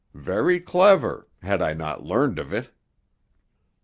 Very clever—had I not learned of it.